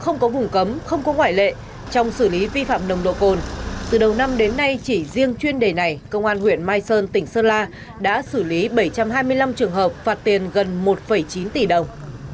nhưng đến nay chỉ riêng chuyên đề này công an huyện mai sơn tỉnh sơn la đã xử lý bảy trăm hai mươi năm trường hợp phạt tiền gần một chín tỷ đồng